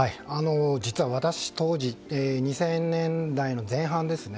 実は私、当時２０００年代の前半ですね